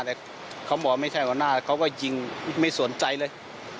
แต่เขาบอกไม่ใช่หัวหน้าแต่ยิงไม่สนใจเลย